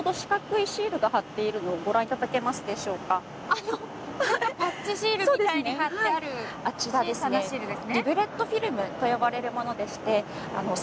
あの何かパッチシールみたいに貼ってある小さなシールですね。